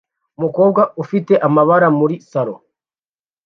Umukobwa ufite amabara muri salo